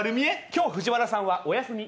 今日藤原さんはお休み。